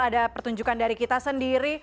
ada pertunjukan dari kita sendiri